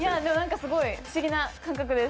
すごい不思議な感覚です。